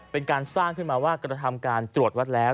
เป็นการสร้างขึ้นมาว่ากระทำการตรวจวัดแล้ว